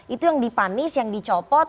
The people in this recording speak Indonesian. itu yang dipanis yang dicopot